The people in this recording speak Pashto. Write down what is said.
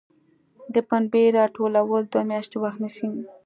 د پنبې راټولول دوه میاشتې وخت نیسي.